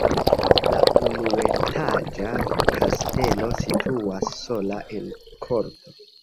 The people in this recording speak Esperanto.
La unuetaĝa kastelo situas sola en korto.